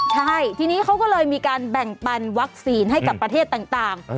ใช่ทีนี้เขาก็เลยมีการแบ่งปันวัคซีนให้กับประเทศต่าง